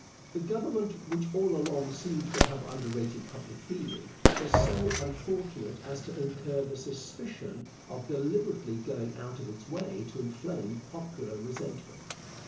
The Government, which all along seems to have underrated public feeling, was so unfortunate as to incur the suspicion of deliberately going out of its way to inflame popular resentment.